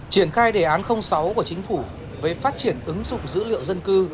triển khai đề án sáu của chính phủ về phát triển ứng dụng dữ liệu dân cư